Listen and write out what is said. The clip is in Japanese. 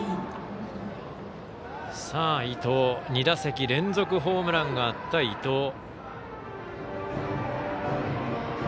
２打席連続ホームランがあった伊藤。